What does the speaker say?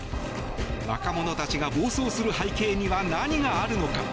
若者たちが暴走する背景には何があるのか。